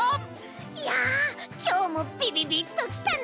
いやきょうもびびびっときたね！